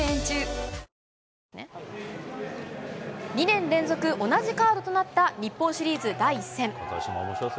２年連続同じカードとなった日本シリーズ第１戦。